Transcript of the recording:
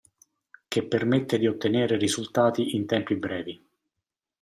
Che permette di ottenere risultati in tempi brevi.